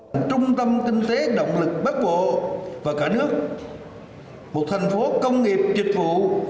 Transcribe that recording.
trong trung tâm kinh tế động lực bất bộ và cả nước một thành phố công nghiệp triệt vụ